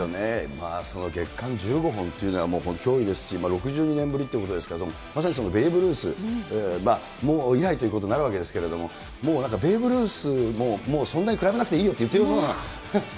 まあ、月間１５本っていうのはもうきょういですし、６２年ぶりということですけど、まさにベーブ・ルース以来ということになるわけですけれども、もうなんか、ベーブ・ルースともうそんなに比べなくてもいいよって言ってるよ